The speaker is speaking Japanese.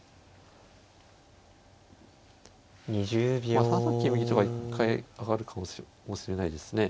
まあ３三金右とは一回上がるかもしれないですね。